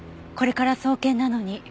これから送検なのに。